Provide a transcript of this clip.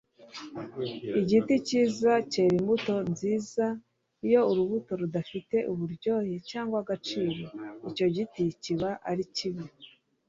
Igiti cyiza cyera imbuto nziza. Iyo urubuto rudafite uburyohe cyangwa agaciro, icyo giti kiba ari kibi.